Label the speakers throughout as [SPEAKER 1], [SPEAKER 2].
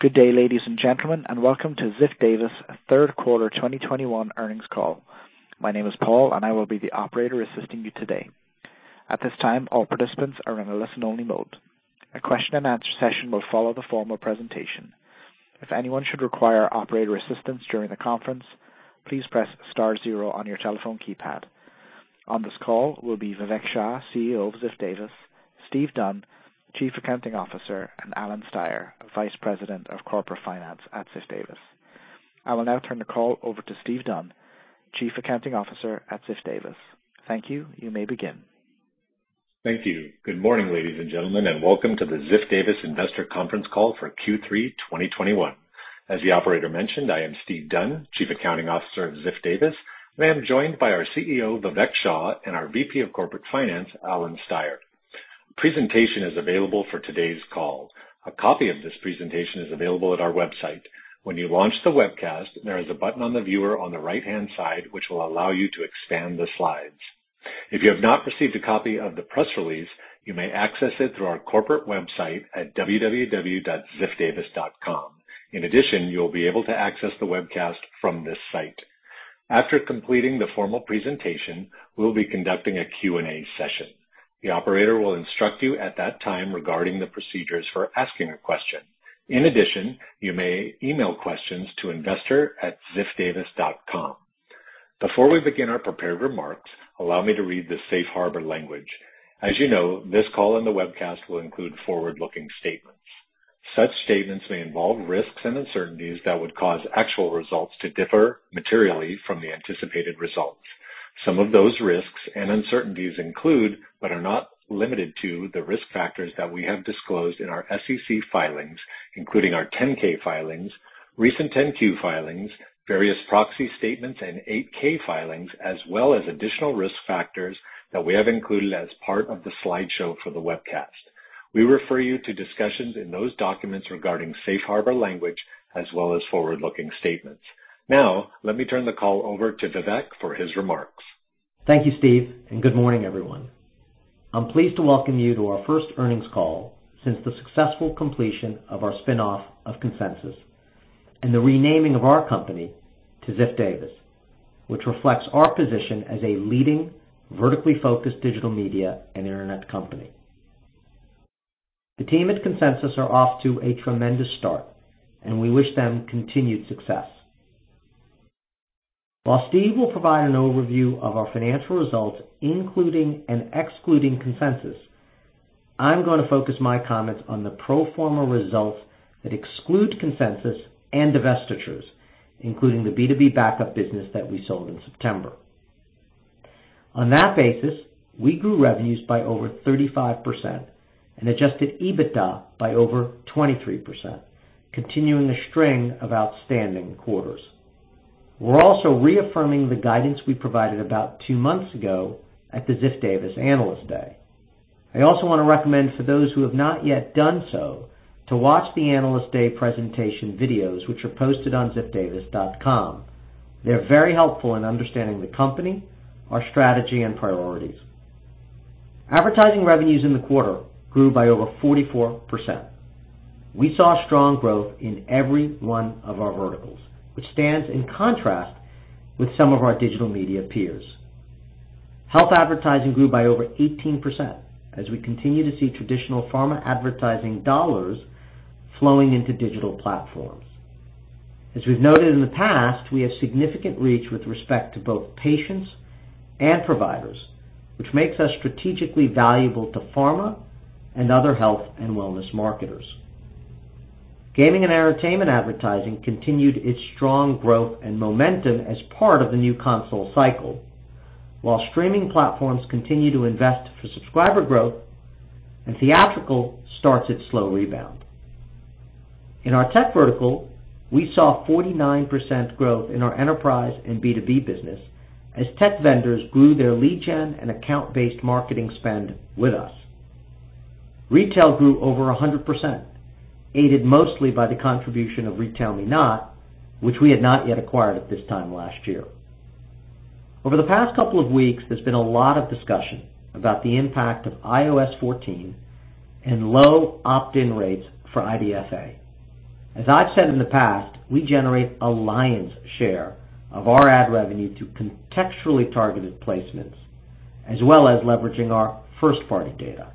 [SPEAKER 1] Good day, ladies and gentlemen, and welcome to Ziff Davis third quarter 2021 earnings call. My name is Paul and I will be the operator assisting you today. At this time, all participants are in a listen-only mode. A question-and-answer session will follow the formal presentation. If anyone should require operator assistance during the conference, please press star zero on your telephone keypad. On this call will be Vivek Shah, CEO of Ziff Davis, Steve Dunn, Chief Accounting Officer, and Alan Steier, Vice President of Corporate Finance at Ziff Davis. I will now turn the call over to Steve Dunn, Chief Accounting Officer at Ziff Davis. Thank you. You may begin.
[SPEAKER 2] Thank you. Good morning, ladies and gentlemen, and welcome to the Ziff Davis Investor Conference call for Q3 2021. As the operator mentioned, I am Steve Dunn, Chief Accounting Officer of Ziff Davis, and I am joined by our CEO, Vivek Shah, and our VP of Corporate Finance, Alan Steier. The presentation is available for today's call. A copy of this presentation is available at our website. When you launch the webcast, there is a button on the viewer on the right-hand side which will allow you to expand the slides. If you have not received a copy of the press release, you may access it through our corporate website at www.ziffdavis.com. In addition, you will be able to access the webcast from this site. After completing the formal presentation, we'll be conducting a Q&A session. The operator will instruct you at that time regarding the procedures for asking a question. In addition, you may email questions to investor@ziffdavis.com. Before we begin our prepared remarks, allow me to read this safe harbor language. As you know, this call and the webcast will include forward-looking statements. Such statements may involve risks and uncertainties that would cause actual results to differ materially from the anticipated results. Some of those risks and uncertainties include, but are not limited to, the risk factors that we have disclosed in our SEC filings, including our 10-K filings, recent 10-Q filings, various proxy statements, and 8-K filings, as well as additional risk factors that we have included as part of the slideshow for the webcast. We refer you to discussions in those documents regarding safe harbor language, as well as forward-looking statements. Now, let me turn the call over to Vivek for his remarks.
[SPEAKER 3] Thank you, Steve, and good morning, everyone. I'm pleased to welcome you to our first earnings call since the successful completion of our spin-off of Consensus and the renaming of our company to Ziff Davis, which reflects our position as a leading vertically focused digital media and internet company. The team at Consensus are off to a tremendous start and we wish them continued success. While Steve will provide an overview of our financial results, including and excluding Consensus, I'm gonna focus my comments on the pro forma results that exclude Consensus and divestitures, including the B2B Backup business that we sold in September. On that basis, we grew revenues by over 35% and adjusted EBITDA by over 23%, continuing a string of outstanding quarters. We're also reaffirming the guidance we provided about 2 months ago at the Ziff Davis Analyst Day. I also want to recommend for those who have not yet done so to watch the Analyst Day presentation videos, which are posted on ziffdavis.com. They're very helpful in understanding the company, our strategy, and priorities. Advertising revenues in the quarter grew by over 44%. We saw strong growth in every one of our verticals, which stands in contrast with some of our digital media peers. Health advertising grew by over 18% as we continue to see traditional pharma advertising dollars flowing into digital platforms. As we've noted in the past, we have significant reach with respect to both patients and providers, which makes us strategically valuable to pharma, and other health and wellness marketers. Gaming and entertainment advertising continued its strong growth and momentum as part of the new console cycle. While streaming platforms continue to invest for subscriber growth and theatrical starts its slow rebound. In our tech vertical, we saw 49% growth in our enterprise and B2B business as tech vendors grew their lead gen, and account-based marketing spend with us. Retail grew over 100%, aided mostly by the contribution of RetailMeNot, which we had not yet acquired at this time last year. Over the past couple of weeks, there's been a lot of discussion about the impact of iOS 14 and low opt-in rates for IDFA. As I've said in the past, we generate a lion's share of our ad revenue from contextually targeted placements as well as leveraging our first-party data.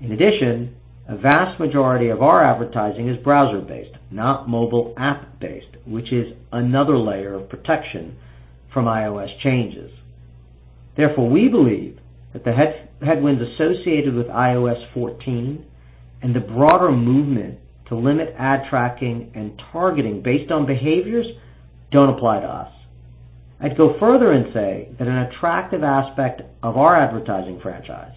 [SPEAKER 3] In addition, a vast majority of our advertising is browser-based, not mobile app-based, which is another layer of protection from iOS changes. Therefore, we believe that the headwinds associated with iOS 14 and the broader movement to limit ad tracking and targeting based on behaviors don't apply to us. I'd go further and say that an attractive aspect of our advertising franchise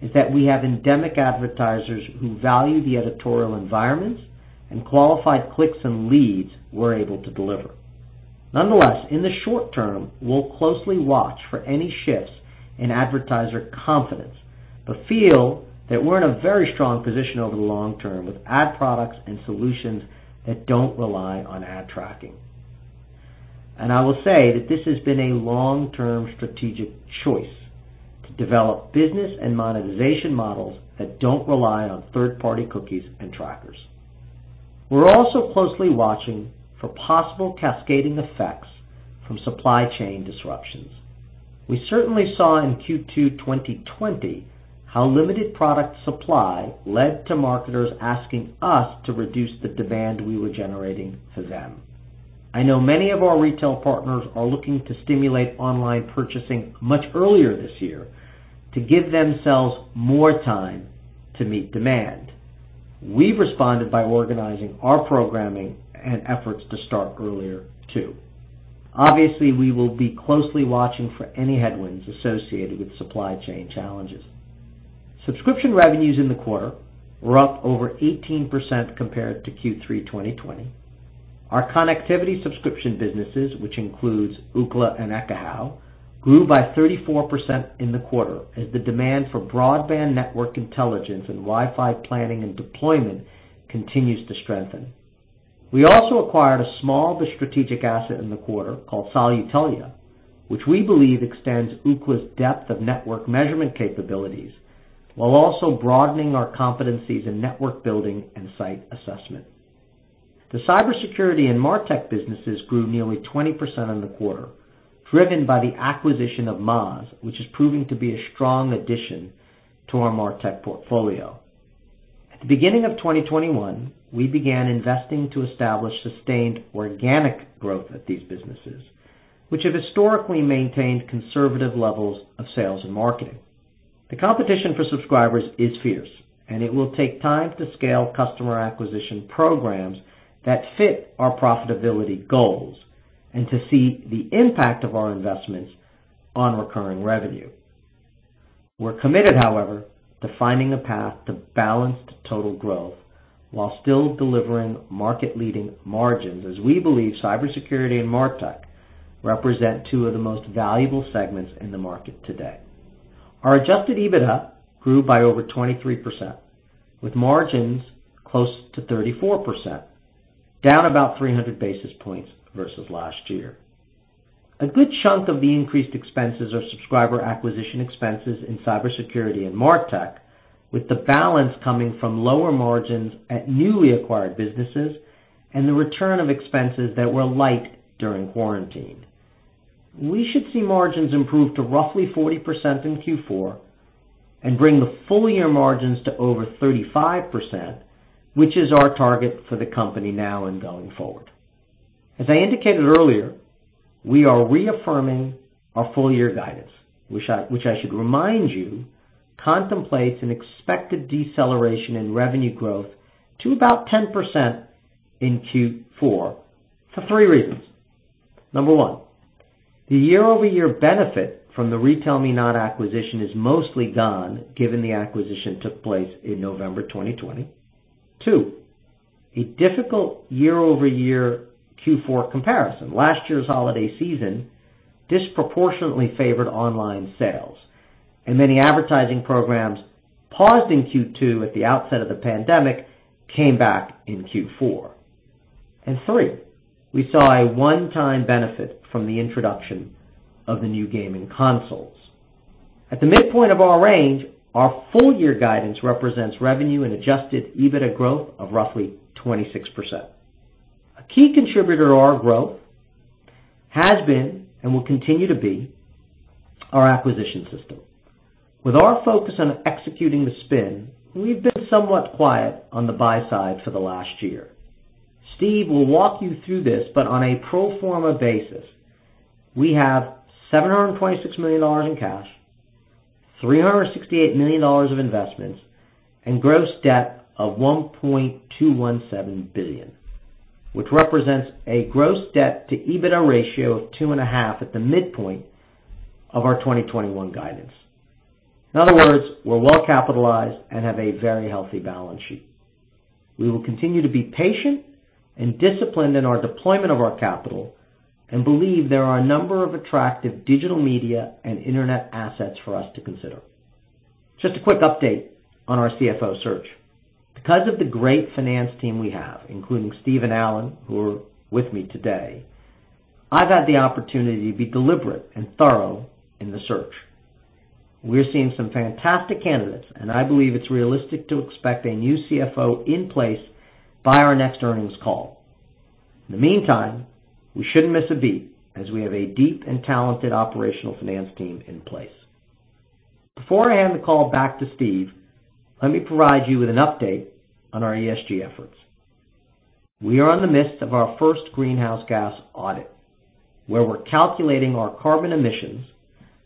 [SPEAKER 3] is that we have endemic advertisers who value the editorial environments and qualified clicks, and leads we're able to deliver. Nonetheless, in the short term, we'll closely watch for any shifts in advertiser confidence, but feel that we're in a very strong position over the long term with ad products, and solutions that don't rely on ad tracking. I will say that this has been a long-term strategic choice to develop business and monetization models that don't rely on third-party cookies and trackers. We're also closely watching for possible cascading effects from supply chain disruptions. We certainly saw in Q2 2020 how limited product supply led to marketers asking us to reduce the demand we were generating for them. I know many of our retail partners are looking to stimulate online purchasing much earlier this year to give themselves more time to meet demand. We've responded by organizing our programming and efforts to start earlier too. Obviously, we will be closely watching for any headwinds associated with supply chain challenges. Subscription revenues in the quarter were up over 18% compared to Q3 2020. Our connectivity subscription businesses, which includes Ookla and Ekahau, grew by 34% in the quarter as the demand for broadband network intelligence and Wi-Fi planning and deployment continues to strengthen. We also acquired a small but strategic asset in the quarter called Solutelia, which we believe extends Ookla's depth of network measurement capabilities while also broadening our competencies in network building and site assessment. The cybersecurity and MarTech businesses grew nearly 20% in the quarter, driven by the acquisition of Moz, which is proving to be a strong addition to our MarTech portfolio. At the beginning of 2021, we began investing to establish sustained organic growth at these businesses, which have historically maintained conservative levels of sales and marketing. The competition for subscribers is fierce, and it will take time to scale customer acquisition programs that fit our profitability goals and to see the impact of our investments on recurring revenue. We're committed, however, to finding a path to balanced total growth while still delivering market-leading margins, as we believe cybersecurity, and MarTech represent two of the most valuable segments in the market today. Our adjusted EBITDA grew by over 23%, with margins close to 34%, down about 300 basis points versus last year. A good chunk of the increased expenses are subscriber acquisition expenses in cybersecurity and MarTech, with the balance coming from lower margins at newly acquired businesses and the return of expenses that were light during quarantine. We should see margins improve to roughly 40% in Q4 and bring the full year margins to over 35%, which is our target for the company now and going forward. As I indicated earlier, we are reaffirming our full-year guidance, which I should remind you, contemplates an expected deceleration in revenue growth to about 10% in Q4 for three reasons. Number one, the year-over-year benefit from the RetailMeNot acquisition is mostly gone, given the acquisition took place in November 2020. Two, a difficult year-over-year Q4 comparison. Last year's holiday season disproportionately favored online sales, and many advertising programs paused in Q2 at the outset of the pandemic came back in Q4. Three, we saw a one-time benefit from the introduction of the new gaming consoles. At the midpoint of our range, our full-year guidance represents revenue and adjusted EBITDA growth of roughly 26%. A key contributor to our growth has been and will continue to be our acquisition system. With our focus on executing the spin, we've been somewhat quiet on the buy side for the last year. Steve will walk you through this, but on a pro forma basis, we have $726 million in cash, $368 million of investments, and gross debt of $1.217 billion, which represents a gross debt to EBITDA ratio of 2.5 at the midpoint of our 2021 guidance. In other words, we're well capitalized and have a very healthy balance sheet. We will continue to be patient and disciplined in our deployment of our capital and believe there are a number of attractive Digital Media and internet assets for us to consider. Just a quick update on our CFO search. Because of the great finance team we have, including Steve and Alan, who are with me today, I've had the opportunity to be deliberate and thorough in the search. We're seeing some fantastic candidates, and I believe it's realistic to expect a new CFO in place by our next earnings call. In the meantime, we shouldn't miss a beat as we have a deep and talented operational finance team in place. Before I hand the call back to Steve, let me provide you with an update on our ESG efforts. We are in the midst of our first greenhouse gas audit, where we're calculating our carbon emissions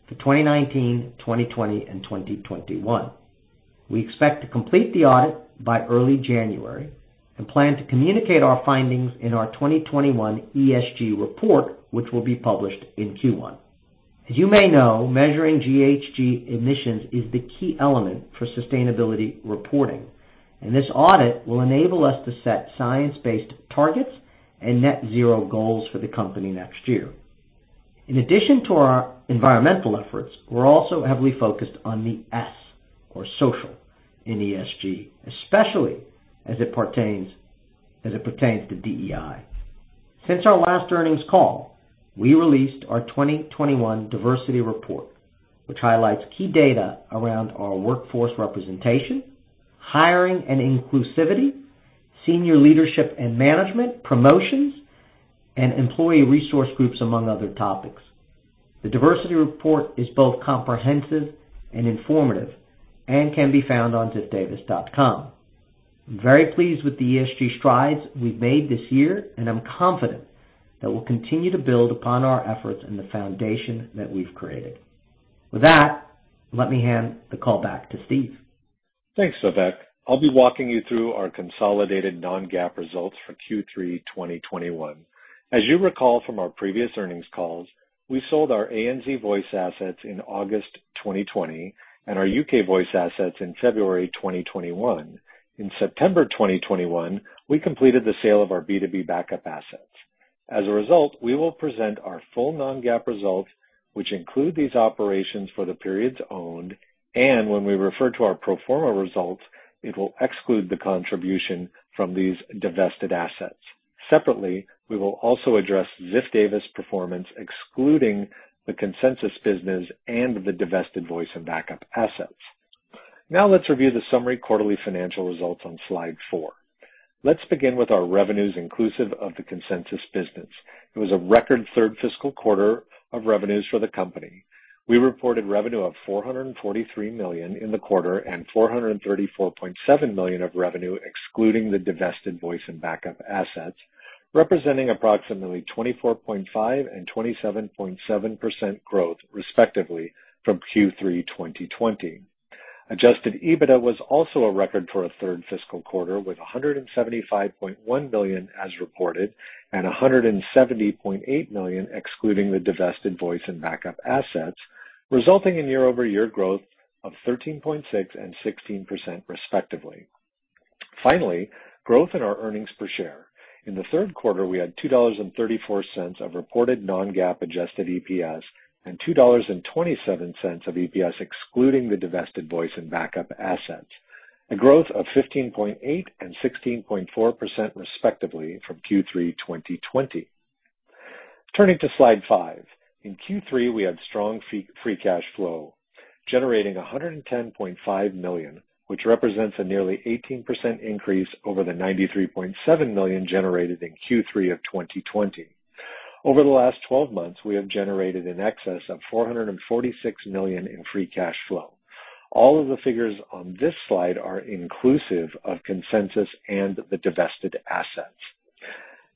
[SPEAKER 3] for 2019, 2020, and 2021. We expect to complete the audit by early January, and plan to communicate our findings in our 2021 ESG report, which will be published in Q1. As you may know, measuring GHG emissions is the key element for sustainability reporting, and this audit will enable us to set science-based targets and net zero goals for the company next year. In addition to our environmental efforts, we're also heavily focused on the S or social in ESG, especially as it pertains to DEI. Since our last earnings call, we released our 2021 diversity report, which highlights key data around our workforce representation, hiring and inclusivity, senior leadership and management, promotions, and employee resource groups, among other topics. The diversity report is both comprehensive and informative and can be found on ziffdavis.com. I'm very pleased with the ESG strides we've made this year, and I'm confident that we'll continue to build upon our efforts, and the foundation that we've created. With that, let me hand the call back to Steve.
[SPEAKER 2] Thanks, Vivek. I'll be walking you through our consolidated non-GAAP results for Q3 2021. As you recall from our previous earnings calls, we sold our ANZ Voice assets in August 2020 and our UK Voice assets in February 2021. In September 2021, we completed the sale of our B2B Backup assets. As a result, we will present our full non-GAAP results, which include these operations for the periods owned, and when we refer to our pro forma results, it will exclude the contribution from these divested assets. Separately, we will also address Ziff Davis performance, excluding the Consensus business and the divested Voice and backup assets. Now let's review the summary quarterly financial results on slide four. Let's begin with our revenues inclusive of the Consensus business. It was a record third fiscal quarter of revenues for the company. We reported revenue of $443 million in the quarter and $434.7 million of revenue, excluding the divested Voice and backup assets, representing approximately 24.5% and 27.7% growth, respectively, from Q3 2020. Adjusted EBITDA was also a record for a third fiscal quarter, with $175.1 million as reported and $170.8 million excluding the divested Voice and backup assets, resulting in year-over-year growth of 13.6% and 16%, respectively. Finally, growth in our earnings per share. In the third quarter, we had $2.34 of reported non-GAAP adjusted EPS and $2.27 of EPS excluding the divested Voice and backup assets, a growth of 15.8% and 16.4%, respectively, from Q3 2020. Turning to slide five. In Q3, we had strong free cash flow, generating $110.5 million, which represents a nearly 18% increase over the $93.7 million generated in Q3 of 2020. Over the last 12 months, we have generated in excess of $446 million in free cash flow. All of the figures on this slide are inclusive of Consensus and the divested assets.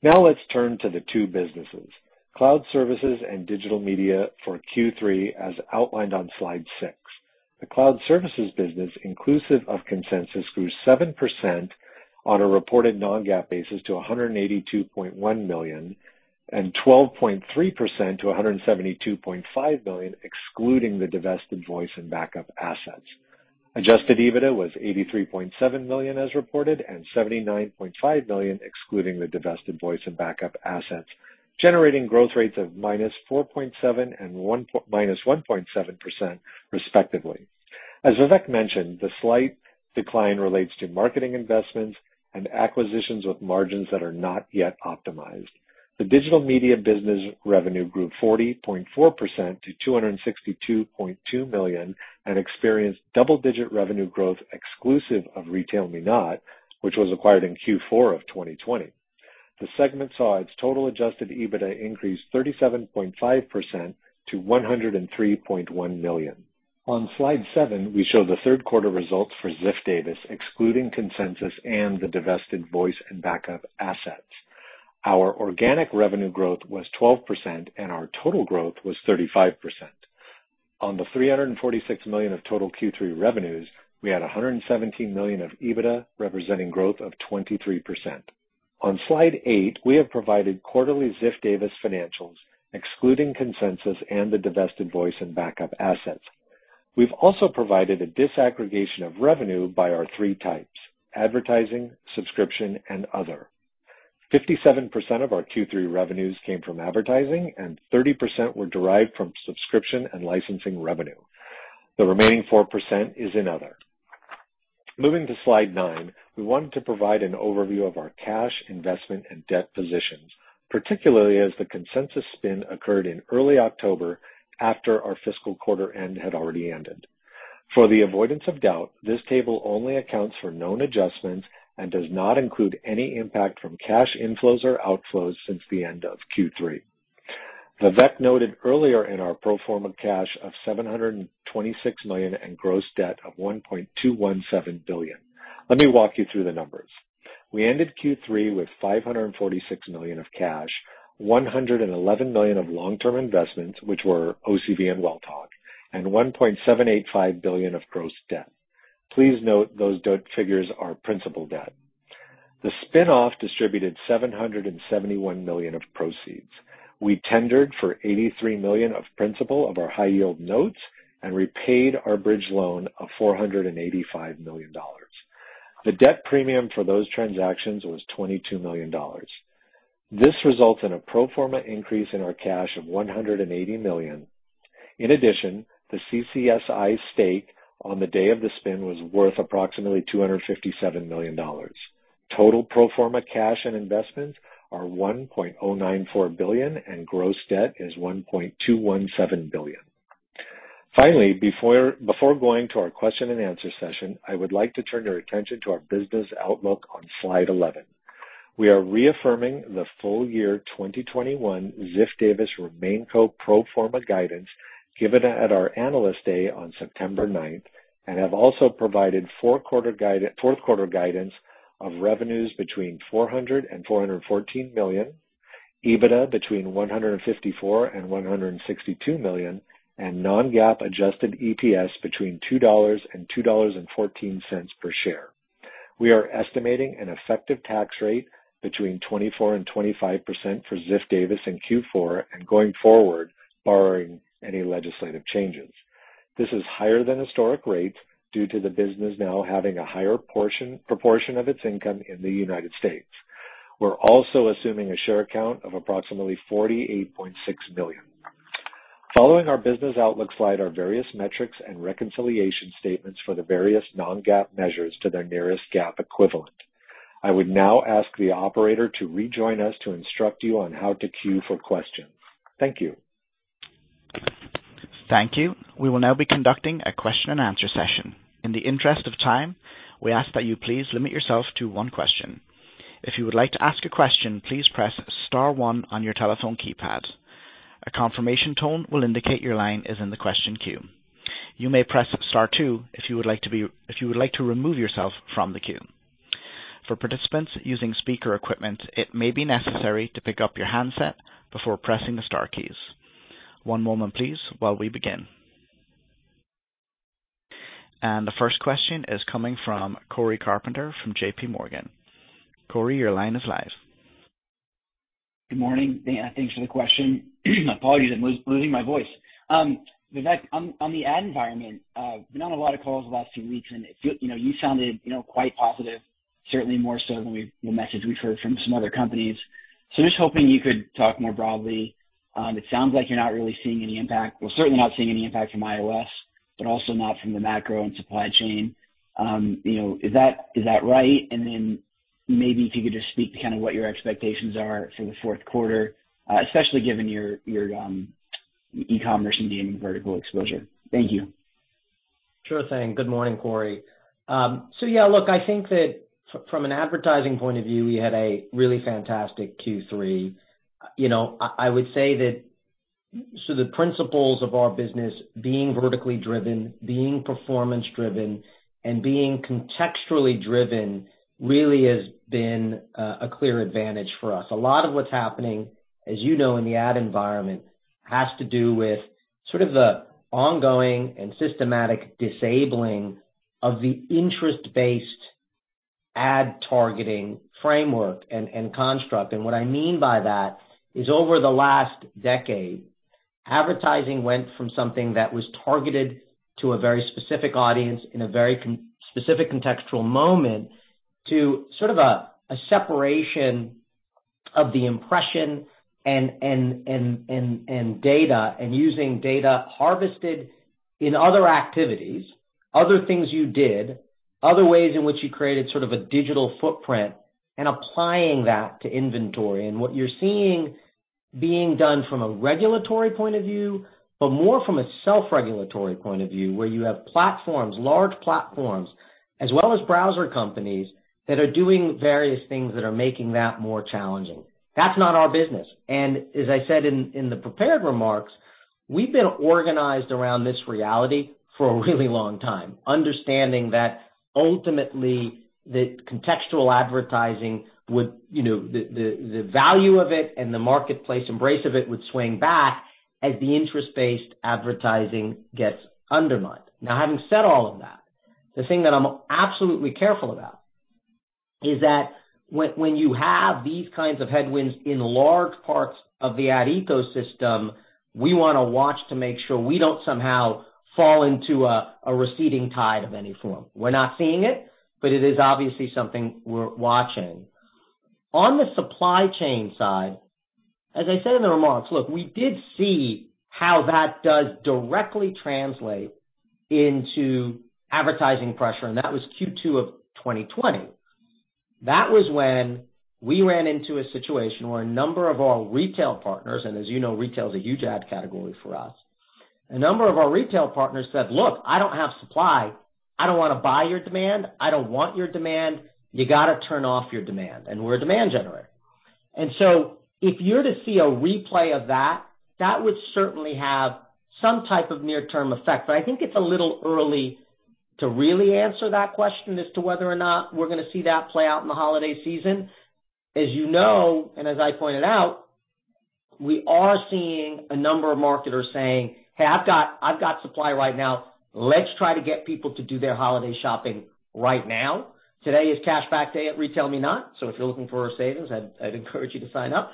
[SPEAKER 2] Now let's turn to the two businesses, Cloud Services and Digital Media for Q3, as outlined on slide six. The Cloud Services business, inclusive of Consensus, grew 7% on a reported non-GAAP basis to $182.1 million and 12.3% to $172.5 million, excluding the divested Voice and backup assets. Adjusted EBITDA was $83.7 million as reported and $79.5 million excluding the divested Voice and Backup assets, generating growth rates of -4.7% and -1.7% respectively. As Vivek mentioned, the slight decline relates to marketing investments and acquisitions with margins that are not yet optimized. The Digital Media business revenue grew 40.4% to $262.2 million and experienced double-digit revenue growth exclusive of RetailMeNot, which was acquired in Q4 of 2020. The segment saw its total adjusted EBITDA increase 37.5% to $103.1 million. On slide seven, we show the third quarter results for Ziff Davis, excluding Consensus and the divested Voice and Backup assets. Our organic revenue growth was 12% and our total growth was 35%. On the $346 million of total Q3 revenues, we had $117 million of EBITDA, representing growth of 23%. On slide eight, we have provided quarterly Ziff Davis financials excluding Consensus and the divested Voice and backup assets. We've also provided a disaggregation of revenue by our three types: advertising, subscription, and other. 57% of our Q3 revenues came from advertising, and 30% were derived from subscription and licensing revenue. The remaining 4% is in other. Moving to slide nine, we wanted to provide an overview of our cash, investment, and debt positions, particularly as the Consensus spin occurred in early October after our fiscal quarter end had already ended. For the avoidance of doubt, this table only accounts for known adjustments and does not include any impact from cash inflows or outflows since the end of Q3. Vivek noted earlier in our pro forma cash of $726 million and gross debt of $1.217 billion. Let me walk you through the numbers. We ended Q3 with $546 million of cash, $111 million of long-term investments, which were OCV and Welltok, and $1.785 billion of gross debt. Please note those debt figures are principal debt. The spin-off distributed $771 million of proceeds. We tendered for $83 million of principal of our high yield notes and repaid our bridge loan of $485 million. The debt premium for those transactions was $22 million. This results in a pro forma increase in our cash of $180 million. In addition, the CCSI stake on the day of the spin was worth approximately $257 million. Total pro forma cash and investments are $1.094 billion, and gross debt is $1.217 billion. Finally, before going to our question, and answer session, I would like to turn your attention to our business outlook on slide 11. We are reaffirming the full-year 2021 Ziff Davis RemainCo pro forma guidance given at our Analyst Day on September 9, and have also provided fourth quarter guidance of revenues between $400 million and $414 million, EBITDA between $154 million and $162 million, and non-GAAP adjusted EPS between $2 and $2.14 per share. We are estimating an effective tax rate between 24% and 25% for Ziff Davis in Q4 and going forward, barring any legislative changes. This is higher than historic rates due to the business now having a higher proportion of its income in the United States. We're also assuming a share count of approximately 48.6 million. Following our business outlook slide are various metrics and reconciliation statements for the various non-GAAP measures to their nearest GAAP equivalent. I would now ask the operator to rejoin us to instruct you on how to queue for questions. Thank you.
[SPEAKER 1] Thank you. We will now be conducting a question and answer session. In the interest of time, we ask that you please limit yourself to one question. If you would like to ask a question, please press star one on your telephone keypad. A confirmation tone will indicate your line is in the question queue. You may press star two if you would like to remove yourself from the queue. For participants using speaker equipment, it may be necessary to pick up your handset before pressing the star keys. One moment please while we begin. The first question is coming from Cory Carpenter from JP Morgan. Corey, your line is live.
[SPEAKER 4] Good morning. Thanks for the question. Apologies, I'm losing my voice. Vivek on the ad environment, been on a lot of calls the last few weeks, and it feel, you know, you sounded, you know, quite positive, certainly more so than the message we've heard from some other companies. Just hoping you could talk more broadly. It sounds like you're not really seeing any impact. Well, certainly not seeing any impact from iOS, but also not from the macro and supply chain. You know, is that right? Maybe if you could just speak to kind of what your expectations are for the fourth quarter, especially given your e-commerce and gaming vertical exposure. Thank you.
[SPEAKER 3] Sure thing. Good morning, Corey. So yeah, look, I think that from an advertising point of view, we had a really fantastic Q3. You know, I would say that so the principles of our business being vertically driven, being performance driven, and being contextually driven really has been a clear advantage for us. A lot of what's happening, as you know, in the ad environment has to do with sort of the ongoing and systematic disabling of the interest-based ad targeting framework and construct. What I mean by that is over the last decade, advertising went from something that was targeted to a very specific audience in a very context-specific moment to sort of a separation of the impression and data, and using data harvested in other activities, other things you did, other ways in which you created sort of a digital footprint and applying that to inventory. What you're seeing being done from a regulatory point of view, but more from a self-regulatory point of view, where you have platforms, large platforms, as well as browser companies that are doing various things that are making that more challenging. That's not our business. As I said in the prepared remarks, we've been organized around this reality for a really long time, understanding that ultimately the contextual advertising would, you know, the value of it and the marketplace embrace of it would swing back as the interest-based advertising gets undermined. Now, having said all of that, the thing that I'm absolutely careful about is that when you have these kinds of headwinds in large parts of the ad ecosystem, we wanna watch to make sure we don't somehow fall into a receding tide of any form. We're not seeing it, but it is obviously something we're watching. On the supply chain side, as I said in the remarks, look, we did see how that does directly translate into advertising pressure, and that was Q2 of 2020. That was when we ran into a situation where a number of our retail partners, and as you know, retail is a huge ad category for us. A number of our retail partners said, "Look, I don't have supply. I don't wanna buy your demand. I don't want your demand. You gotta turn off your demand." We're a demand generator. If you're to see a replay of that would certainly have some type of near-term effect. I think it's a little early to really answer that question as to whether or not we're gonna see that play out in the holiday season. As you know, and as I pointed out, we are seeing a number of marketers saying, "Hey, I've got supply right now. Let's try to get people to do their holiday shopping right now." Today is cashback day at RetailMeNot. If you're looking for our savings, I'd encourage you to sign up.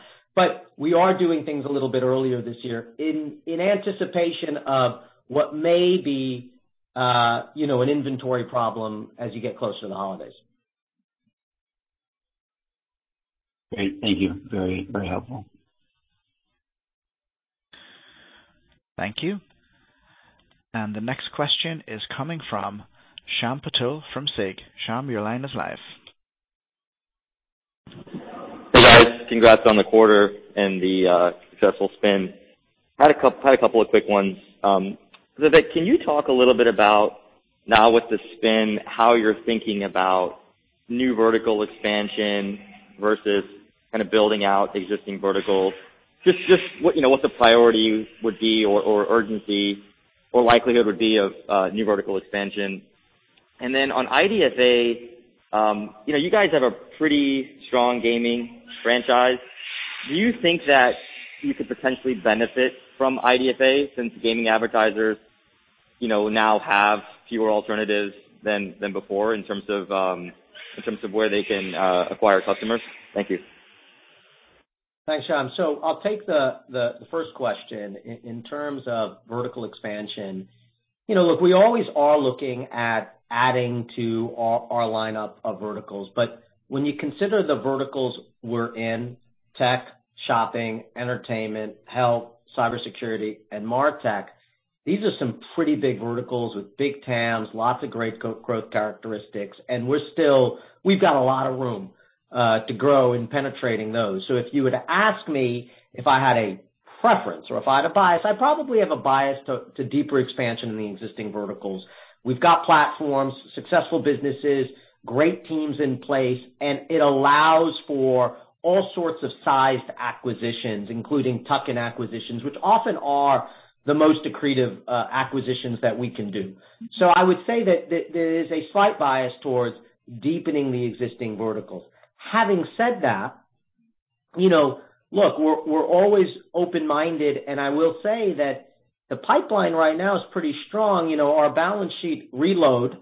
[SPEAKER 3] We are doing things a little bit earlier this year in anticipation of what may be, you know, an inventory problem as you get closer to the holidays.
[SPEAKER 4] Great. Thank you. Very, very helpful.
[SPEAKER 1] Thank you. The next question is coming from Shyam Patil from SIG. Shyam, your line is live.
[SPEAKER 5] Hey, guys. Congrats on the quarter and the successful spin. Had a couple of quick ones. Vivek, can you talk a little bit about, now with the spin, how you're thinking about new vertical expansion versus kinda building out existing verticals? Just what, you know, what the priority would be or urgency or likelihood would be of new vertical expansion. On IDFA, you know, you guys have a pretty strong gaming franchise. Do you think that you could potentially benefit from IDFA since gaming advertisers, you know, now have fewer alternatives than before in terms of where they can acquire customers? Thank you.
[SPEAKER 3] Thanks, Shyam. I'll take the first question. In terms of vertical expansion, you know, look, we always are looking at adding to our lineup of verticals, but when you consider the verticals we're in, tech, shopping, entertainment, health, cybersecurity, and MarTech, these are some pretty big verticals with big TAMs, lots of great growth characteristics, and we're still. We've got a lot of room to grow in penetrating those. If you were to ask me if I had a preference or if I had a bias, I'd probably have a bias to deeper expansion in the existing verticals. We've got platforms, successful businesses, great teams in place, and it allows for all sorts of sized acquisitions, including tuck-in acquisitions, which often are the most accretive acquisitions that we can do. I would say that there is a slight bias towards deepening the existing verticals. Having said that, you know, look, we're always open-minded, and I will say that the pipeline right now is pretty strong. You know, our balance sheet reload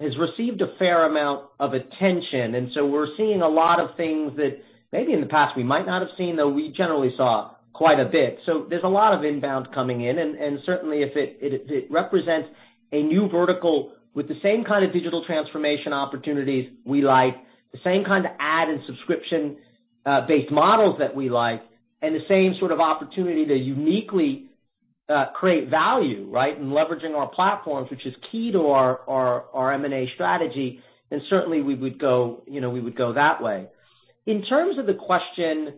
[SPEAKER 3] has received a fair amount of attention, and so we're seeing a lot of things that maybe in the past we might not have seen, though we generally saw quite a bit. There's a lot of inbound coming in and certainly if it represents a new vertical with the same kind of digital transformation opportunities we like, the same kind of ad and subscription based models that we like, and the same sort of opportunity to uniquely create value, right, in leveraging our platforms, which is key to our M&A strategy, then certainly we would go, you know, we would go that way. In terms of the question,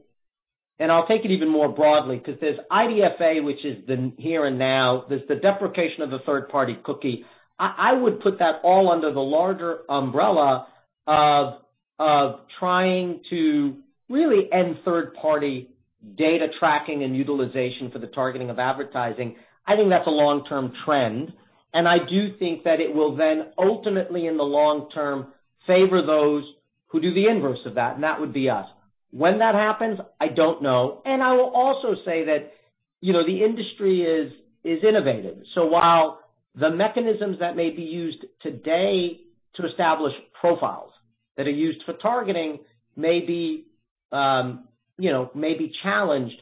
[SPEAKER 3] and I'll take it even more broadly because there's IDFA, which is the here, and now. There's the deprecation of the third-party cookie. I would put that all under the larger umbrella of trying to really end third-party data tracking and utilization for the targeting of advertising. I think that's a long-term trend, and I do think that it will then ultimately, in the long term, favor those who do the inverse of that, and that would be us. When that happens, I don't know. I will also say that, you know, the industry is innovative. While the mechanisms that may be used today to establish profiles that are used for targeting may be, you know, may be challenged,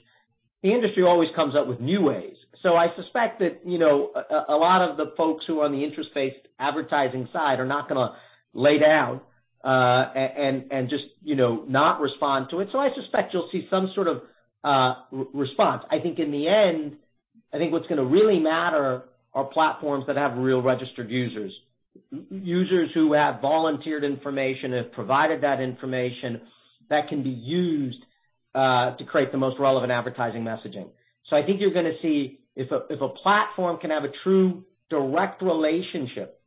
[SPEAKER 3] the industry always comes up with new ways. I suspect that, you know, a lot of the folks who are on the interest-based advertising side are not gonna lay down, and just, you know, not respond to it. I suspect you'll see some sort of, response. I think in the end, I think what's gonna really matter are platforms that have real registered users who have volunteered information and provided that information that can be used to create the most relevant advertising messaging. I think you're gonna see if a platform can have a true direct relationship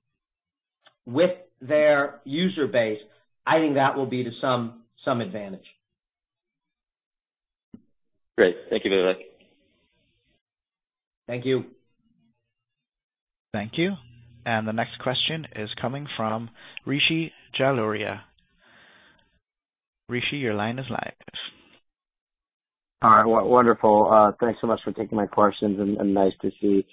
[SPEAKER 3] with their user base, I think that will be to some advantage.
[SPEAKER 5] Great. Thank you, Vivek.
[SPEAKER 3] Thank you.
[SPEAKER 1] Thank you. The next question is coming from Rishi Jaluria. Rishi, your line is live.
[SPEAKER 6] All right. Wonderful. Thanks so much for taking my questions and nice to see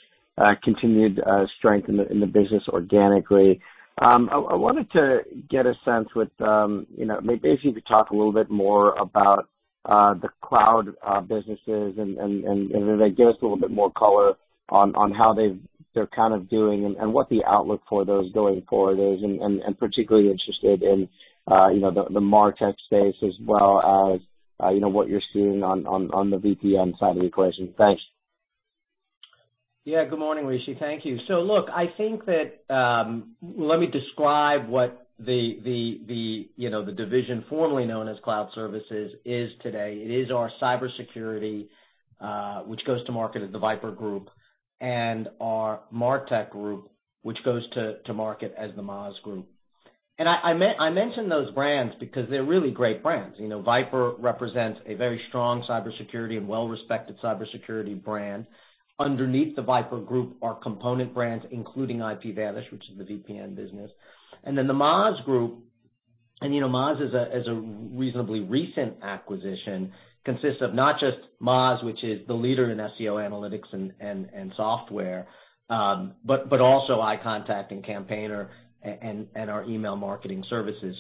[SPEAKER 6] continued strength in the business organically. I wanted to get a sense with you know maybe if you could talk a little bit more about the cloud businesses and maybe give us a little bit more color on how they're kind of doing and what the outlook for those going forward is and particularly interested in you know the MarTech space as well as you know what you're seeing on the VPN side of the equation. Thanks.
[SPEAKER 3] Yeah. Good morning, Rishi. Thank you. Look, I think that, let me describe what you know, the division formerly known as Cloud Services is today. It is our cybersecurity, which goes to market as the VIPRE Group and our MarTech group, which goes to market as the Moz Group. I mention those brands because they're really great brands. You know, Viper represents a very strong cybersecurity and well-respected cybersecurity brand. Underneath the VIPRE Group are component brands, including IPVanish, which is the VPN business. Then the Moz Group. You know, Moz is a reasonably recent acquisition, consists of not just Moz, which is the leader in SEO analytics and software, but also iContact and Campaigner and our email marketing services.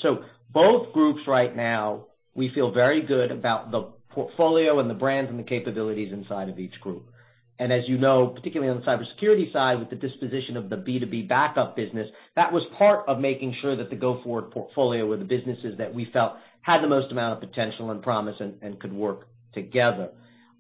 [SPEAKER 3] Both groups right now, we feel very good about the portfolio and the brands and the capabilities inside of each group. As you know, particularly on the cybersecurity side, with the disposition of the B2B Backup business, that was part of making sure that the go-forward portfolio or the businesses that we felt had the most amount of potential, and promise, and could work together.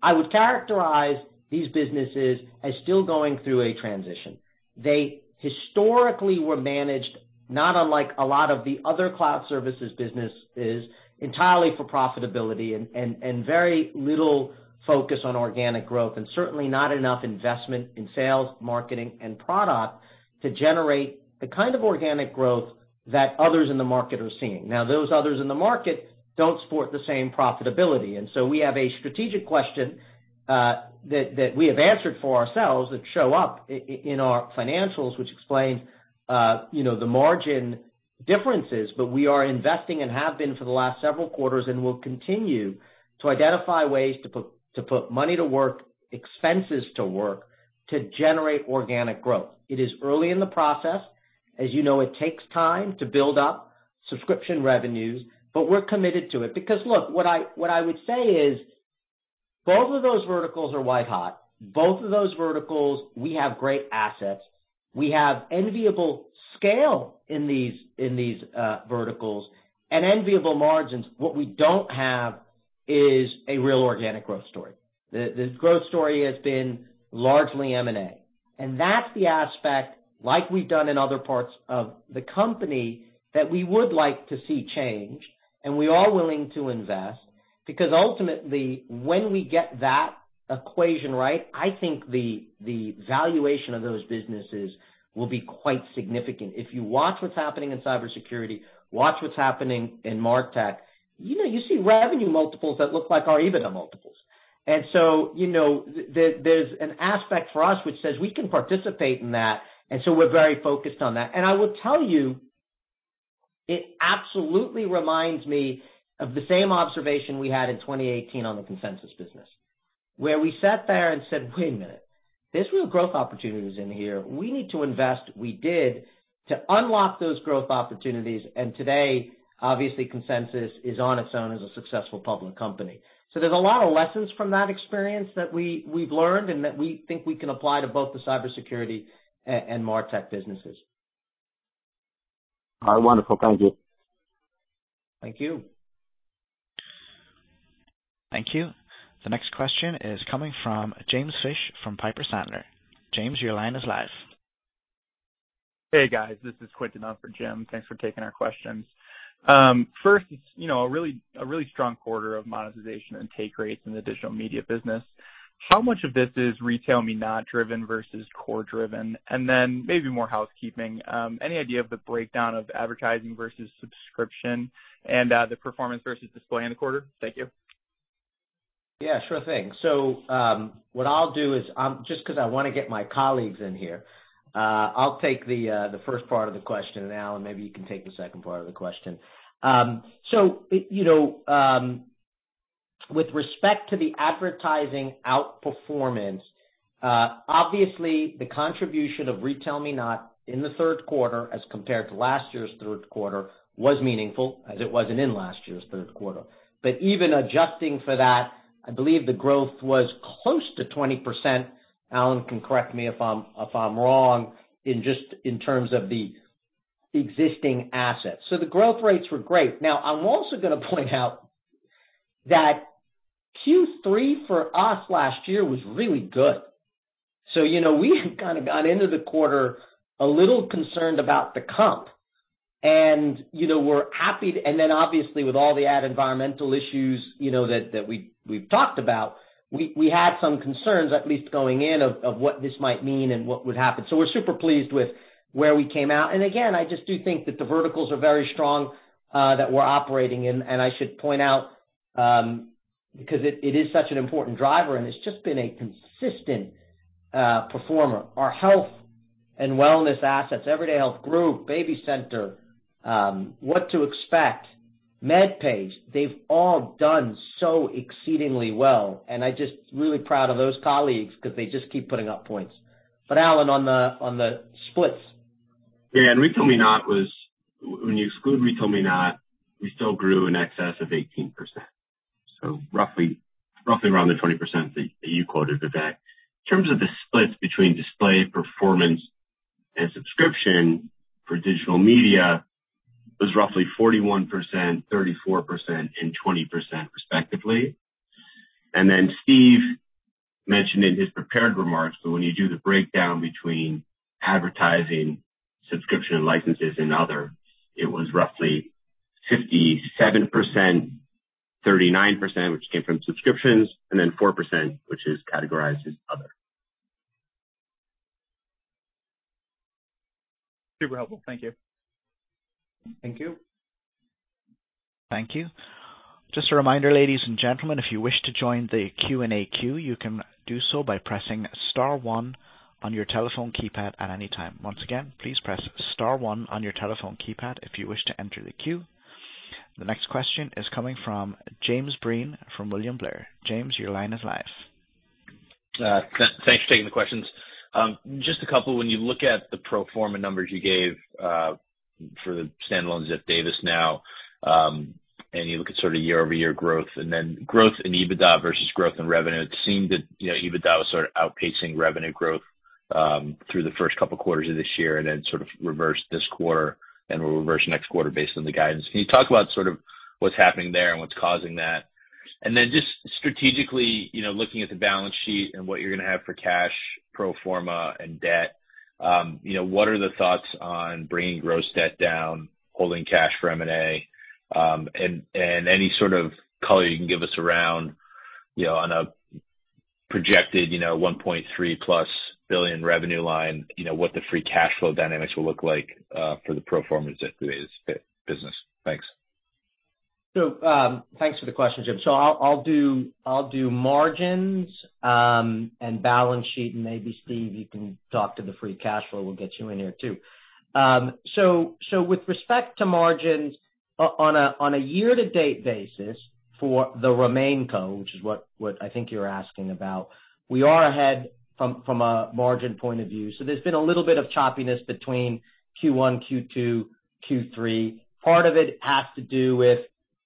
[SPEAKER 3] I would characterize these businesses as still going through a transition. They historically were managed, not unlike a lot of the other Cloud Services businesses, entirely for profitability and very little focus on organic growth, and certainly not enough investment in sales, marketing, and product to generate the kind of organic growth that others in the market are seeing. Now, those others in the market don't support the same profitability. We have a strategic question that we have answered for ourselves that show up in our financials, which explain you know the margin differences. We are investing and have been for the last several quarters, and will continue to identify ways to put money to work, expenses to work to generate organic growth. It is early in the process. As you know, it takes time to build up subscription revenues, but we're committed to it. Because look, what I would say is both of those verticals are white hot. Both of those verticals, we have great assets. We have enviable scale in these verticals and enviable margins. What we don't have is a real organic growth story. The growth story has been largely M&A, and that's the aspect, like we've done in other parts of the company, that we would like to see change, and we are willing to invest because ultimately, when we get that equation right, I think the valuation of those businesses will be quite significant. If you watch what's happening in cybersecurity, watch what's happening in MarTech, you know, you see revenue multiples that look like our EBITDA multiples. So, you know, there's an aspect for us which says we can participate in that, and so we're very focused on that. I will tell you, it absolutely reminds me of the same observation we had in 2018 on the Consensus business, where we sat there and said, "Wait a minute. There's real growth opportunities in here. We need to invest." We did to unlock those growth opportunities, and today, obviously, Consensus is on its own as a successful public company. There's a lot of lessons from that experience that we've learned and that we think we can apply to both the cybersecurity and MarTech businesses.
[SPEAKER 6] All right. Wonderful. Thank you.
[SPEAKER 3] Thank you.
[SPEAKER 1] Thank you. The next question is coming from James Fish from Piper Sandler. James, your line is live.
[SPEAKER 7] Hey, guys. This is Quentin on for Jim. Thanks for taking our questions. First, you know, a really strong quarter of monetization and take rates in the Digital Media business. How much of this is RetailMeNot driven versus core driven? Maybe more housekeeping. Any idea of the breakdown of advertising versus subscription and the performance versus display in the quarter? Thank you.
[SPEAKER 3] Yeah, sure thing. What I'll do is, just 'cause I wanna get my colleagues in here, I'll take the first part of the question, and Alan, maybe you can take the second part of the question. You know, with respect to the advertising outperformance, obviously the contribution of RetailMeNot in the third quarter as compared to last year's third quarter was meaningful, as it wasn't in last year's third quarter. But even adjusting for that, I believe the growth was close to 20%. Alan can correct me if I'm wrong in terms of the existing assets. The growth rates were great. Now, I'm also gonna point out that Q3 for us last year was really good. You know, we had kind of gone into the quarter a little concerned about the comp. You know, we're happy. Then obviously, with all the ad environmental issues, you know, that we've talked about, we had some concerns at least going in of what this might mean and what would happen. We're super pleased with where we came out. Again, I just do think that the verticals are very strong that we're operating in. I should point out, because it is such an important driver and it's just been a consistent performer. Our health and wellness assets, Everyday Health Group, BabyCenter, What to Expect, MedPage, they've all done so exceedingly well. I just really proud of those colleagues 'cause they just keep putting up points. But Alan, on the splits.
[SPEAKER 8] Yeah. RetailMeNot was. When you exclude RetailMeNot, we still grew in excess of 18%. Roughly around the 20% that you quoted, Vivek. In terms of the splits between display, performance, and subscription for Digital Media was roughly 41%, 34%, and 20% respectively. Steve mentioned in his prepared remarks that when you do the breakdown between advertising, subscription, and licenses and other, it was roughly 57%, 39%, which came from subscriptions, and then 4%, which is categorized as other.
[SPEAKER 7] Super helpful. Thank you.
[SPEAKER 3] Thank you.
[SPEAKER 1] Thank you. Just a reminder, ladies and gentlemen, if you wish to join the Q&A queue, you can do so by pressing star one on your telephone keypad at any time. Once again, please press star one on your telephone keypad if you wish to enter the queue. The next question is coming from James Breen from William Blair. James, your line is live.
[SPEAKER 9] Thanks for taking the questions. Just a couple. When you look at the pro forma numbers you gave for the standalone Ziff Davis now, and you look at sort of year-over-year growth and then growth in EBITDA versus growth in revenue, it seemed that, you know, EBITDA was sort of outpacing revenue growth through the first couple quarters of this year and then sort of reversed this quarter and will reverse next quarter based on the guidance. Can you talk about sort of what's happening there and what's causing that? Then just strategically, you know, looking at the balance sheet and what you're gonna have for cash pro forma and debt, you know, what are the thoughts on bringing gross debt down, holding cash for M&A, and any sort of color you can give us around, you know, on a projected, you know, $1.3+ billion revenue line, you know, what the free cash flow dynamics will look like, for the pro forma Ziff Davis business. Thanks.
[SPEAKER 3] Thanks for the question, James. I'll do margins and balance sheet and maybe Steve, you can talk to the free cash flow. We'll get you in here too. With respect to margins on a year to date basis for the RemainCo, which is what I think you're asking about, we are ahead from a margin point of view. There's been a little bit of choppiness between Q1, Q2, Q3. Part of it has to do with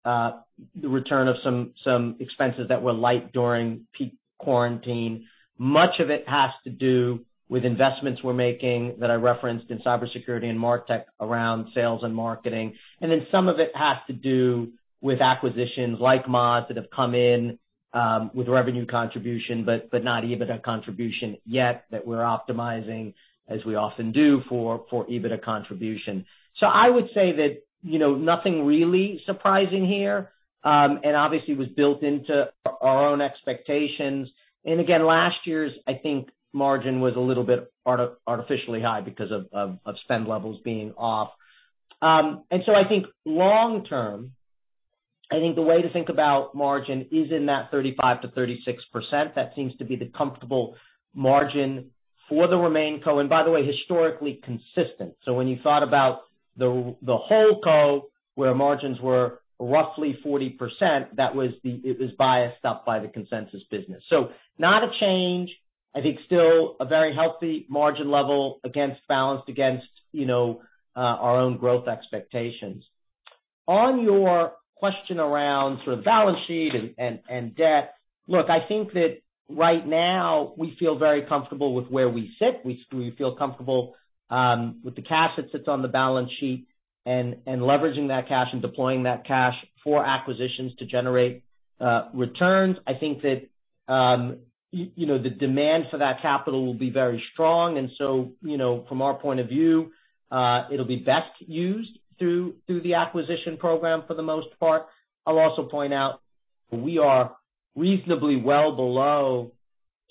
[SPEAKER 3] the return of some expenses that were light during peak quarantine. Much of it has to do with investments we're making that I referenced in cybersecurity and MarTech around sales and marketing. Then some of it has to do with acquisitions like Moz that have come in, with revenue contribution, but not EBITDA contribution yet that we're optimizing as we often do for EBITDA contribution. I would say that, you know, nothing really surprising here, and obviously was built into our own expectations. Again, last year's, I think margin was a little bit artificially high because of spend levels being off. I think long term, I think the way to think about margin is in that 35%-36%. That seems to be the comfortable margin for the RemainCo, and by the way, historically consistent. When you thought about the whole co where margins were roughly 40%, that was. It was biased up by the Consensus business. Not a change. I think still a very healthy margin level balanced against our own growth expectations. On your question around sort of balance sheet and debt. Look, I think that right now we feel very comfortable with where we sit. We feel comfortable with the cash that sits on the balance sheet and leveraging that cash and deploying that cash for acquisitions to generate returns. I think that you know, the demand for that capital will be very strong. You know, from our point of view, it'll be best used through the acquisition program for the most part. I'll also point out we are reasonably well below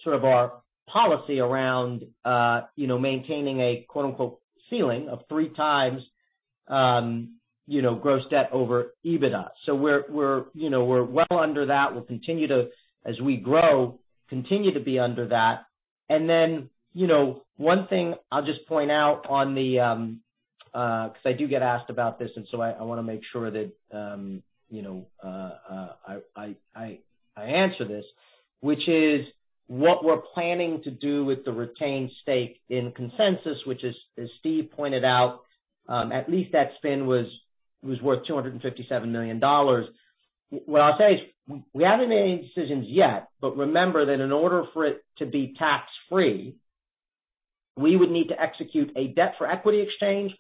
[SPEAKER 3] sort of our policy around you know, maintaining a quote-unquote ceiling of 3x gross debt over EBITDA. We're well under that. We'll continue to be under that as we grow. Then, you know, one thing I'll just point out because I do get asked about this and so I answer this, which is what we're planning to do with the retained stake in Consensus, which is as Steve pointed out, at least that spin was worth $257 million. What I'll say is we haven't made any decisions yet, but remember that in order for it to be tax-free, we would need to execute a debt for equity exchange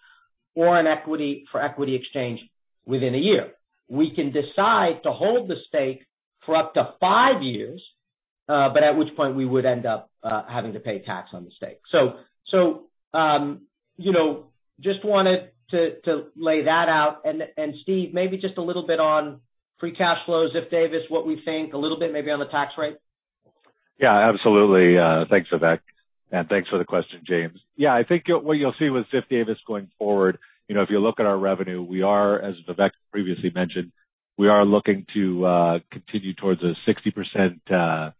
[SPEAKER 3] or an equity for equity exchange within a year. We can decide to hold the stake for up to five years, but at which point we would end up having to pay tax on the stake. You know, just wanted to lay that out. Steve, maybe just a little bit on free cash flow Ziff Davis, what we think a little bit maybe on the tax rate.
[SPEAKER 2] Yeah, absolutely. Thanks, Vivek, and thanks for the question, James. Yeah, I think what you'll see with Ziff Davis going forward, you know, if you look at our revenue, we are, as Vivek previously mentioned, looking to continue towards a 60%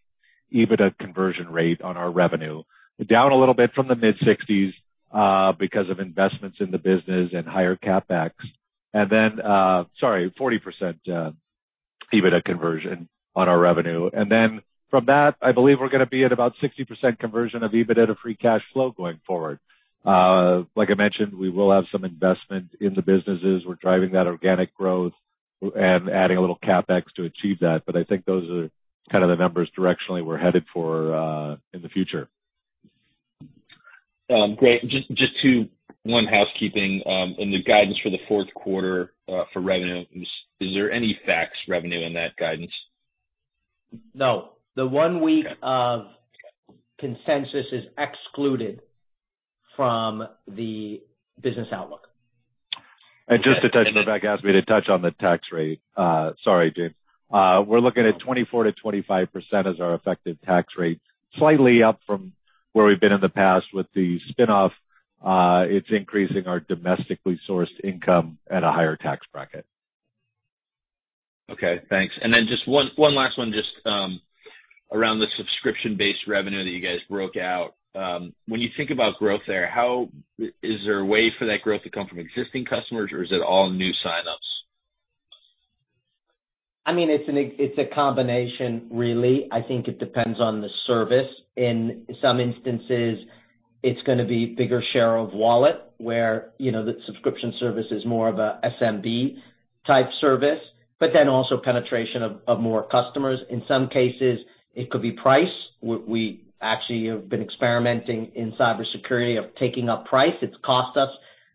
[SPEAKER 2] EBITDA conversion rate on our revenue. Down a little bit from the mid-60s because of investments in the business and higher CapEx. Then, sorry, 40% EBITDA conversion on our revenue. Then from that, I believe we're gonna be at about 60% conversion of EBITDA free cash flow going forward. Like I mentioned, we will have some investment in the businesses. We're driving that organic growth and adding a little CapEx to achieve that. I think those are kind of the numbers directionally we're headed for in the future.
[SPEAKER 9] Great. Just one housekeeping in the guidance for the fourth quarter for revenue, is there any fax revenue in that guidance?
[SPEAKER 3] No. The one week-
[SPEAKER 9] Okay.
[SPEAKER 3] of Consensus is excluded from the business outlook.
[SPEAKER 2] Vivek asked me to touch on the tax rate. Sorry, James. We're looking at 24%-25% as our effective tax rate. Slightly up from where we've been in the past with the spin-off.It's increasing our domestically sourced income at a higher tax bracket.
[SPEAKER 9] Okay, thanks. Then just one last one just around the subscription-based revenue that you guys broke out. When you think about growth there, is there a way for that growth to come from existing customers, or is it all new sign-ups?
[SPEAKER 3] I mean, it's a combination really. I think it depends on the service. In some instances, it's gonna be bigger share of wallet, where, you know, the subscription service is more of a SMB-type service, but then also penetration of more customers. In some cases, it could be price. We actually have been experimenting in cybersecurity of taking up price. It's cost us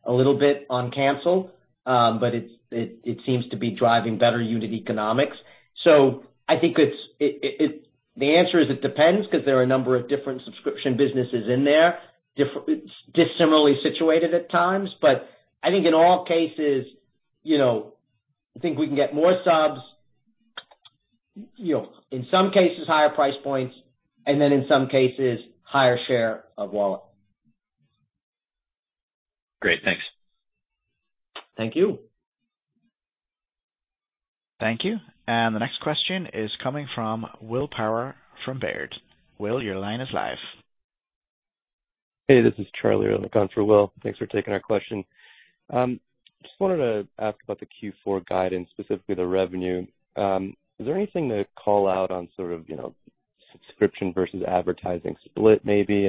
[SPEAKER 3] a little bit on cancel, but it seems to be driving better unit economics. I think it's. The answer is it depends 'cause there are a number of different subscription businesses in there, dissimilarly situated at times. I think in all cases, you know, I think we can get more subs, you know, in some cases higher price points, and then in some cases higher share of wallet.
[SPEAKER 9] Great. Thanks.
[SPEAKER 3] Thank you.
[SPEAKER 1] Thank you. The next question is coming from Will Power from Baird. Will, your line is live.
[SPEAKER 10] Hey, this is Charlie on behalf of Will. Thanks for taking our question. Just wanted to ask about the Q4 guidance, specifically the revenue. Is there anything to call out on sort of, you know, subscription versus advertising split maybe?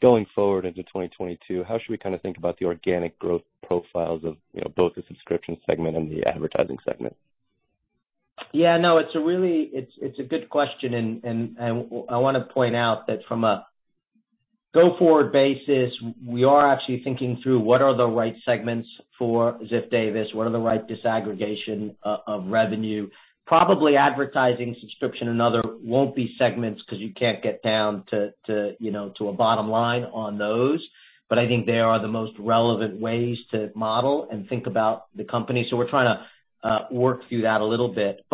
[SPEAKER 10] Going forward into 2022, how should we kinda think about the organic growth profiles of, you know, both the subscription segment and the advertising segment?
[SPEAKER 3] Yeah. No. It's a really good question. I want to point out that from a go-forward basis, we are actually thinking through what are the right segments for Ziff Davis, what are the right disaggregation of revenue. Probably advertising, subscription and other won't be segments 'cause you can't get down to you know to a bottom line on those. I think they are the most relevant ways to model and think about the company. We're trying to work through that a little bit.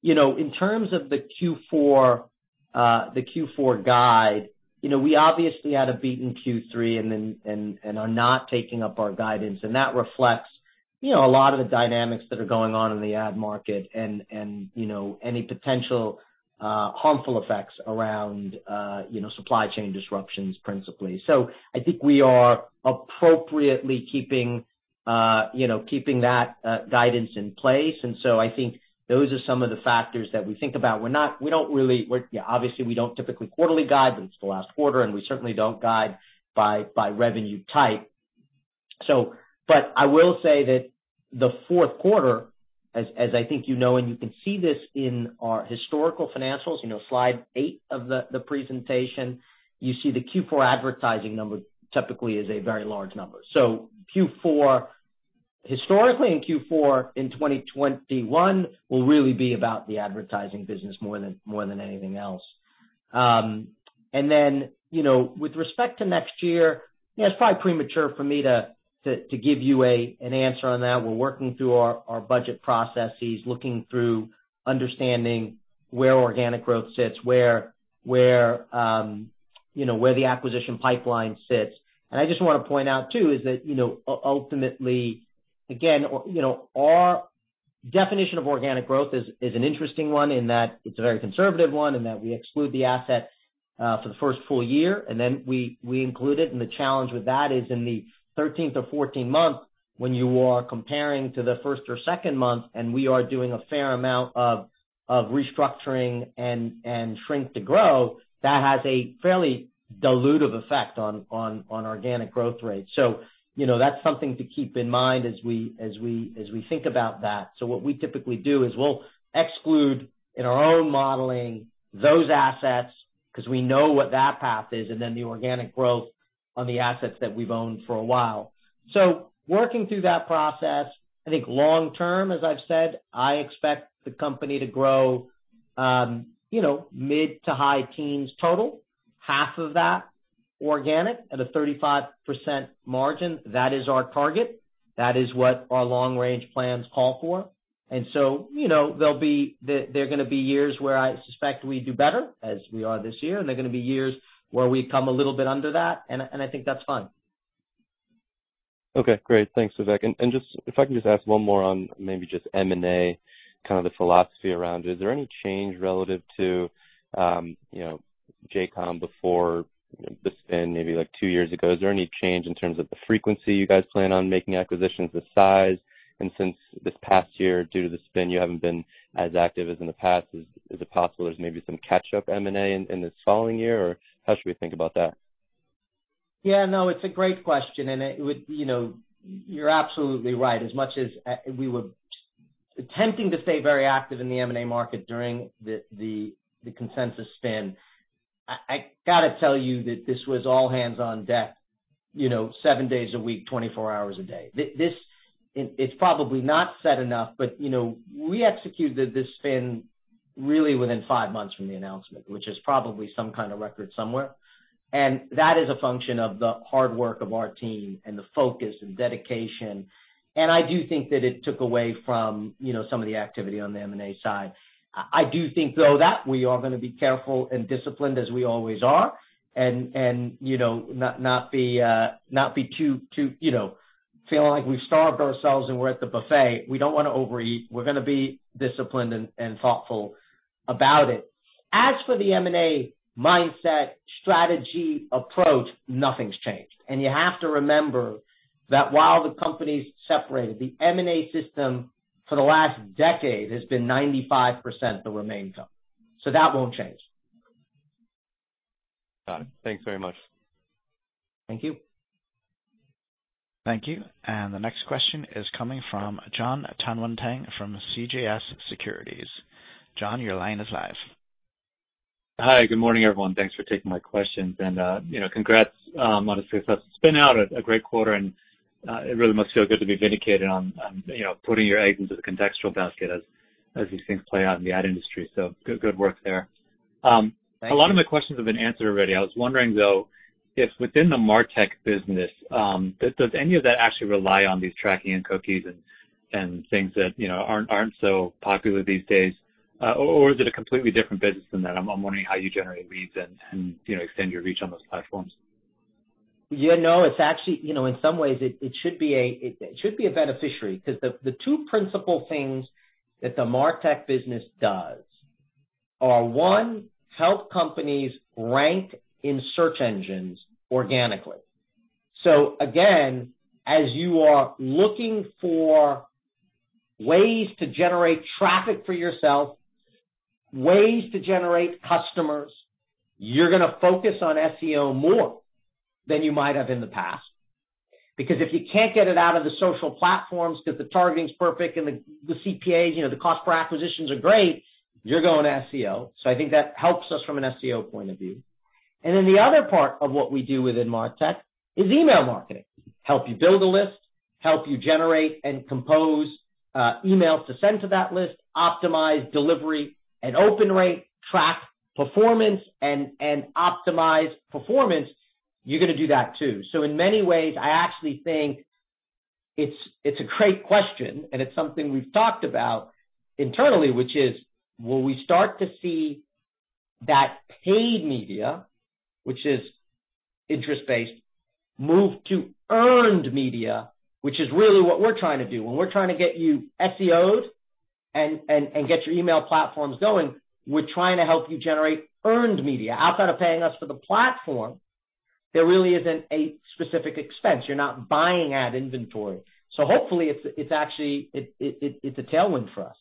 [SPEAKER 3] You know, in terms of the Q4 guide, you know, we obviously had a beat in Q3 and then are not taking up our guidance. That reflects, you know, a lot of the dynamics that are going on in the ad market and you know, any potential harmful effects around, you know, supply chain disruptions principally. I think we are appropriately keeping that guidance in place. I think those are some of the factors that we think about. We don't really. Yeah, obviously we don't typically quarterly guide, but it's the last quarter, and we certainly don't guide by revenue type. But I will say that the fourth quarter, as I think you know, and you can see this in our historical financials, you know, slide eight of the presentation, you see the Q4 advertising number typically is a very large number. Q4 Historically, in Q4 in 2021 will really be about the advertising business more than anything else. With respect to next year, you know, it's probably premature for me to give you an answer on that. We're working through our budget processes, looking through understanding where organic growth sits, where you know, where the acquisition pipeline sits. I just wanna point out too is that, you know, ultimately, again, you know, our definition of organic growth is an interesting one in that it's a very conservative one in that we exclude the asset for the first full year, and then we include it. The challenge with that is in the 13th or 14th month, when you are comparing to the first or second month, and we are doing a fair amount of restructuring and shrink to grow, that has a fairly dilutive effect on organic growth rates. You know, that's something to keep in mind as we think about that. What we typically do is we'll exclude in our own modeling those assets 'cause we know what that path is and then the organic growth on the assets that we've owned for a while. Working through that process, I think long term, as I've said, I expect the company to grow, you know, mid- to high-teens% total, half of that organic at a 35% margin. That is our target. That is what our long-range plans call for. You know, there are gonna be years where I suspect we do better, as we are this year, and there are gonna be years where we come a little bit under that, and I think that's fine.
[SPEAKER 10] Okay, great. Thanks, Vivek. If I can just ask one more on maybe just M&A, kind of the philosophy around it. Is there any change relative to JCOM before the spin maybe like two years ago? Is there any change in terms of the frequency you guys plan on making acquisitions, the size? Since this past year, due to the spin, you haven't been as active as in the past. Is it possible there's maybe some catch-up M&A in this following year? Or how should we think about that?
[SPEAKER 3] Yeah. No, it's a great question, you know, you're absolutely right. As much as we were attempting to stay very active in the M&A market during the Consensus spin, I gotta tell you that this was all hands on deck, you know, seven days a week, 24 hours a day. It's probably not said enough, but you know, we executed this spin really within five months from the announcement, which is probably some kind of record somewhere. That is a function of the hard work of our team and the focus and dedication. I do think that it took away from, you know, some of the activity on the M&A side. I do think, though, that we are gonna be careful and disciplined as we always are, you know, not be too, you know, feeling like we've starved ourselves and we're at the buffet. We don't wanna overeat. We're gonna be disciplined and thoughtful about it. As for the M&A mindset, strategy, approach, nothing's changed. You have to remember that while the company's separated, the M&A system for the last decade has been 95% the RemainCo. That won't change.
[SPEAKER 10] Got it. Thanks very much.
[SPEAKER 3] Thank you.
[SPEAKER 1] Thank you. The next question is coming from Jonathan Tanwanteng from CJS Securities. John, your line is live.
[SPEAKER 11] Hi, good morning, everyone. Thanks for taking my questions. You know, congrats on a successful spin out. A great quarter, and it really must feel good to be vindicated on you know, putting your eggs into the contextual basket as these things play out in the ad industry. Good work there.
[SPEAKER 3] Thank you.
[SPEAKER 11] A lot of my questions have been answered already. I was wondering, though, if within the MarTech business, does any of that actually rely on these tracking and cookies and things that, you know, aren't so popular these days? Or is it a completely different business than that? I'm wondering how you generate leads and, you know, extend your reach on those platforms.
[SPEAKER 3] You know, it's actually, you know, in some ways it should be a beneficiary 'cause the two principal things that the MarTech business does are, one, help companies rank in search engines organically. Again, as you are looking for ways to generate traffic for yourself, ways to generate customers, you're gonna focus on SEO more than you might have in the past. Because if you can't get it out of the social platforms 'cause the targeting's perfect and the CPAs, you know, the cost per acquisitions are great, you're going SEO. I think that helps us from an SEO point of view. Then the other part of what we do within MarTech is email marketing. Help you build a list, help you generate and compose emails to send to that list, optimize delivery and open rate, track performance, and optimize performance. You're gonna do that too. In many ways, I actually think it's a great question, and it's something we've talked about internally, which is, will we start to see that paid media, which is interest-based, move to earned media, which is really what we're trying to do. When we're trying to get you SEO'd and get your email platforms going, we're trying to help you generate earned media. Outside of paying us for the platform, there really isn't a specific expense. You're not buying ad inventory. Hopefully it's actually a tailwind for us.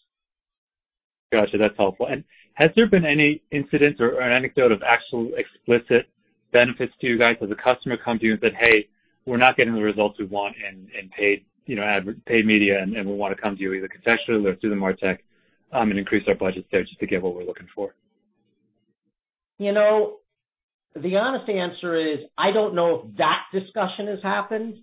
[SPEAKER 11] Gotcha. That's helpful. Has there been any incidents or an anecdote of actual explicit benefits to you guys where the customer comes to you and said, "Hey, we're not getting the results we want in paid, you know, paid media, and we wanna come to you either contextually or through the MarTech and increase our budgets there just to get what we're looking for?
[SPEAKER 3] You know, the honest answer is I don't know if that discussion has happened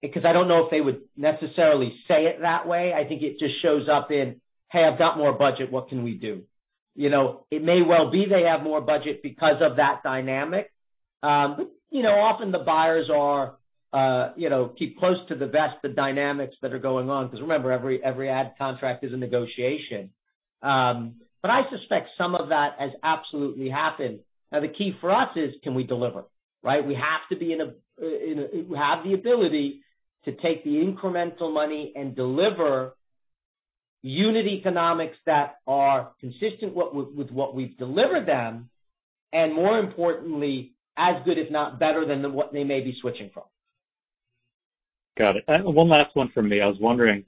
[SPEAKER 3] because I don't know if they would necessarily say it that way. I think it just shows up in, "Hey, I've got more budget. What can we do?" You know, it may well be they have more budget because of that dynamic. You know, often the buyers are, you know, keep close to the vest the dynamics that are going on. 'Cause remember, every ad contract is a negotiation. I suspect some of that has absolutely happened. Now, the key for us is can we deliver, right? We have the ability to take the incremental money and deliver unit economics that are consistent with what we've delivered them, and more importantly, as good if not better than what they may be switching from.
[SPEAKER 11] Got it. One last one from me. I was wondering,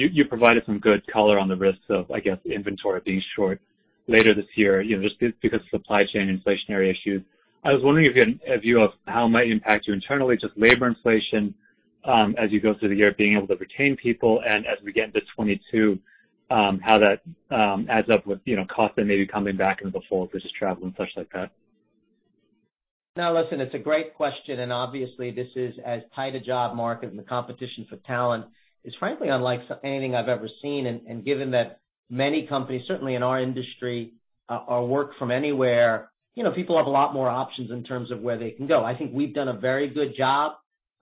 [SPEAKER 11] you provided some good color on the risks of, I guess, inventory being short later this year, you know, just because supply chain inflationary issues. I was wondering if you had a view of how it might impact you internally, just labor inflation, as you go through the year, being able to retain people, and as we get into 2022, how that adds up with, you know, costs that may be coming back into the fold such as travel and such like that.
[SPEAKER 3] No, listen, it's a great question, and obviously this is as tight a job market, and the competition for talent is frankly unlike anything I've ever seen. Given that many companies, certainly in our industry, are work from anywhere. You know, people have a lot more options in terms of where they can go. I think we've done a very good job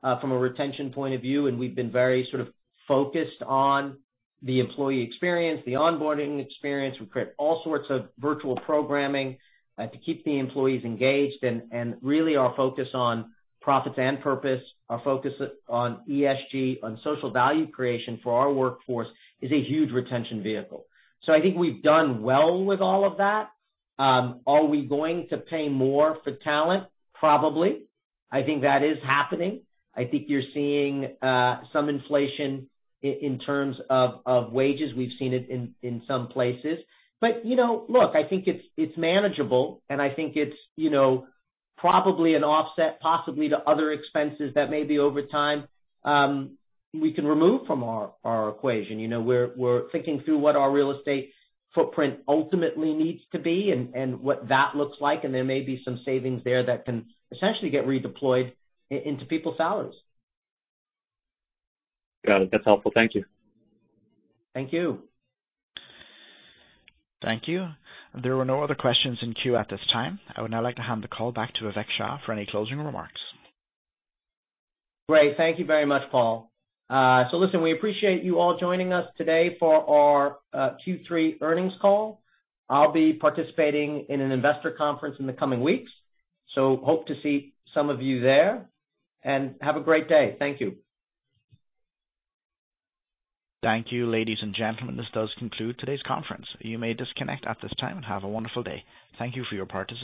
[SPEAKER 3] from a retention point of view, and we've been very sort of focused on the employee experience, the onboarding experience. We've created all sorts of virtual programming to keep the employees engaged, and really our focus on profits and purpose, our focus on ESG, on social value creation for our workforce is a huge retention vehicle. I think we've done well with all of that. Are we going to pay more for talent? Probably. I think that is happening. I think you're seeing some inflation in terms of wages. We've seen it in some places. You know, look, I think it's manageable, and I think it's you know, probably an offset possibly to other expenses that maybe over time we can remove from our equation. You know, we're thinking through what our real estate footprint ultimately needs to be and what that looks like, and there may be some savings there that can essentially get redeployed into people's salaries.
[SPEAKER 11] Got it. That's helpful. Thank you.
[SPEAKER 3] Thank you.
[SPEAKER 1] Thank you. There were no other questions in queue at this time. I would now like to hand the call back to Vivek Shah for any closing remarks.
[SPEAKER 3] Great. Thank you very much, Paul. Listen, we appreciate you all joining us today for our Q3 earnings call. I'll be participating in an investor conference in the coming weeks, hope to see some of you there. Have a great day. Thank you.
[SPEAKER 1] Thank you, ladies and gentlemen. This does conclude today's conference. You may disconnect at this time, and have a wonderful day. Thank you for your participation.